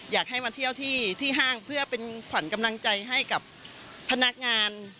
อยากให้มาเที่ยวที่ห้างเพื่อเป็นขวัญกำลังใจให้กับพนักงาน